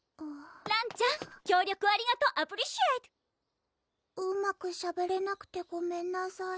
らんちゃん協力ありがとアプリシエートうまくしゃべれなくてごめんなさい